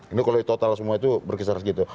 ini kalau total semua itu berkisar segitu